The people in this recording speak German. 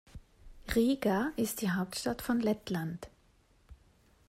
Riga ist die Hauptstadt von Lettland.